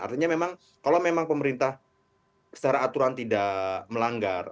artinya memang kalau memang pemerintah secara aturan tidak melanggar